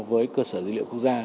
với cơ sở dữ liệu quốc gia